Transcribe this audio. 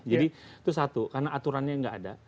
jadi itu satu karena aturannya tidak ada